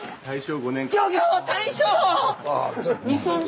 大正！